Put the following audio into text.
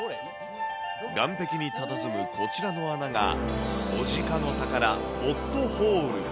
岸壁にたたずむこちらの穴が、小値賀の宝、ポットホール。